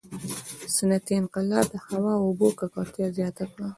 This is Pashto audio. • صنعتي انقلاب د هوا او اوبو ککړتیا زیاته کړه.